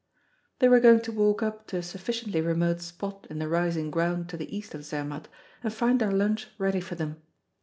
They were going to walk up to a sufficiently remote spot in the rising ground to the east of Zermatt, and find their lunch ready for them.